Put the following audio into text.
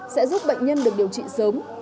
sẽ giúp bệnh nhân được điều trị sớm